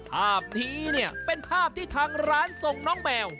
ภาพนี้เนี่ยเป็นภาพที่ทางร้านส่งน้องแมว